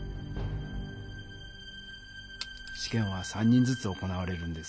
しけんは３人ずつ行われるんですよね。